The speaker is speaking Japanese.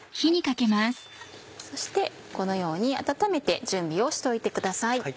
そしてこのように温めて準備をしておいてください。